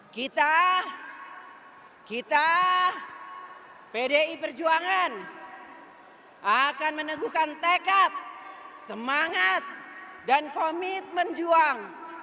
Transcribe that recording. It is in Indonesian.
kita kita pdi perjuangan akan meneguhkan tekad semangat dan komitmen juang